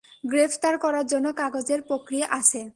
গ্রেফতার করার জন্য কাগজের প্রক্রিয়া আছে।